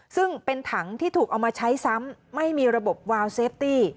ซึ่งเป็นถังที่ถูกเอามาใช้ซ้ำไม่มีระบบวาวเซฟตี้